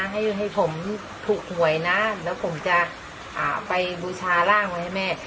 ให้ผมถูกหวยนะแล้วผมจะไปบูชาร่างไว้ให้แม่